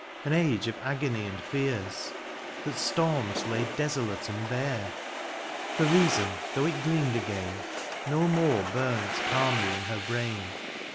An age of agony and fears. That storms laid desolate and bare : For reason, Uioiagh it gleamed again. No more burnt calmly in her brain.